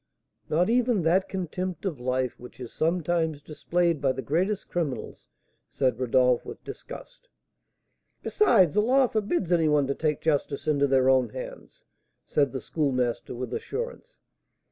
"Not even that contempt of life which is sometimes displayed by the greatest criminals!" said Rodolph, with disgust. "Besides, the law forbids any one to take justice into their own hands," said the Schoolmaster, with assurance.